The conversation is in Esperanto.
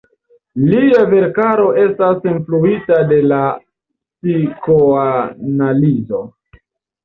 Lia verkaro estas influita de la psikoanalizo.